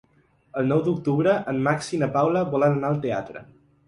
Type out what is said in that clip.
El nou d'octubre en Max i na Paula volen anar al teatre.